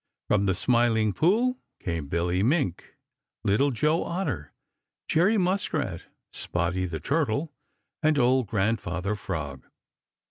From the Smiling Pool came Billy Mink, Little Joe Otter, Jerry Muskrat, Spotty the Turtle, and old Grandfather Frog.